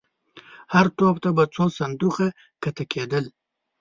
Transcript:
هر توپ ته به څو صندوقونه کښته کېدل.